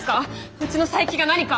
うちの佐伯が何か？